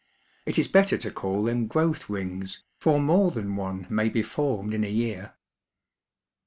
It is better to call them growth rings, for more than one may be formed in a year.